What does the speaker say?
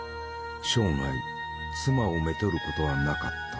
生涯妻をめとることはなかった。